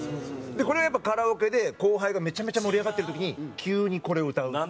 これやっぱカラオケで後輩がめちゃめちゃ盛り上がってる時に急にこれ歌うっていう。